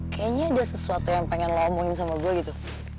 kayanya ada sesuatu yang pengen lo omongin sama gue gitu